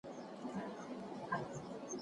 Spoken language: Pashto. د بدن پاکوالی د روح په پاکۍ اثر لري.